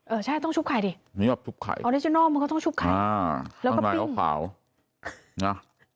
เออใช่ต้องชุบไข่ดิออริจินอลมันก็ต้องชุบไข่แล้วก็ปิ้งข้างในเขาขาวนะ